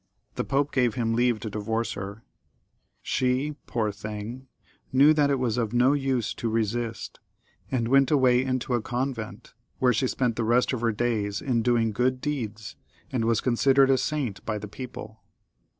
The Pope gave him leave to divorce her — that is, to send her away frorri being his wife. She, poor thing, knew that it was of no use to resist, and went away into a convent, where she spent the rest of her days in doing good deeds, and was considered a saint by the people.